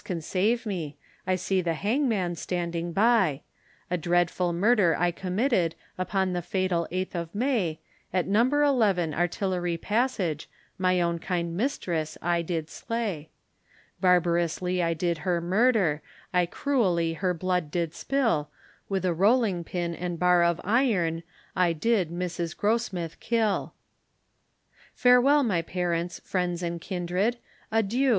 can save me, I see the hangman standing by; A dreadful murder I committed, Upon the fatal eighth of May; At No. 11, Artillery Passage, My own kind mistress I did slay. Barbarously I did her murder, I cruelly her blood did spill, With a rolling pin and bar of iron, I did Mrs. Grossmith kill. Farewell my parents, friends and kindred, Adieu!